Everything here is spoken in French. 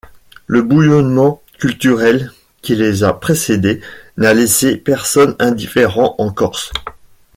Le bouillonnement culturel qui les a précédées n'a laissé personne indifférent en Corse.